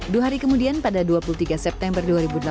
dua hari kemudian pada dua puluh tiga september dua ribu delapan belas